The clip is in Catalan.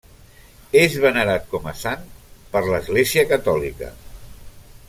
És venerat com a sant per l'Església Catòlica.